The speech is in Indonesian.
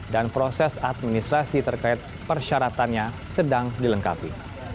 dan proses administrasi terkait persyaratannya sedang dilengkapi